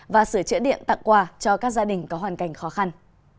và sửa chữa điện tặng quà cho các gia đình có hoàn cảnh khó khăn